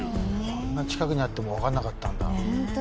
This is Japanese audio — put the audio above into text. こんな近くにあってもわからなかったんだ。